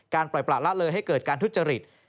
การปล่อยประหลาดเลอห์ให้เกิดการทุจจฤทธิ์